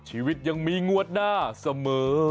ชีวิตยังมีงวดหน้าเสมอ